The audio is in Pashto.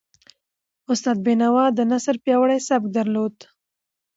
استاد بینوا د نثر پیاوړی سبک درلود.